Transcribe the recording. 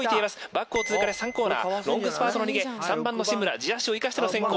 バックを通過で３コーナーロングスパートの逃げ３番の新村自脚を生かしての先攻。